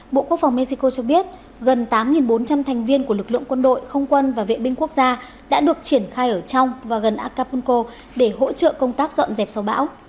bộ quốc phòng mexico cho biết gần tám bốn trăm linh thành viên của lực lượng quân đội không quân và vệ binh quốc gia đã được triển khai ở trong và gần acapulco để hỗ trợ công tác dọn dẹp sau bão